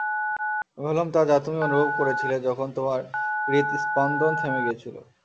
আমি হলাম তা, যা তুমি অনুভব করেছিলে যখন তোমার হৃৎস্পন্দন থেমে গিয়েছিল।